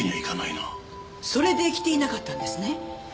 それで着ていなかったんですね。